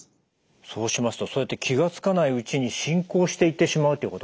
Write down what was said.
そうしますとそうやって気が付かないうちに進行していってしまうということですか。